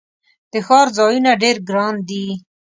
د ښار ځایونه ډیر ګراندي